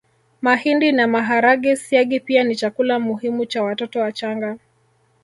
Mahindi na maharage Siagi pia ni chakula muhimu cha watoto wachanga